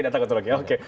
tidak takut rugi oke